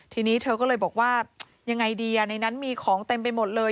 ทีนี้เธอก็เลยบอกว่ายังไงดีในนั้นมีของเต็มไปหมดเลย